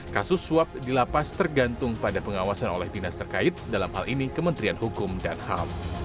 kasus suap di lapas tergantung pada pengawasan oleh dinas terkait dalam hal ini kementerian hukum dan ham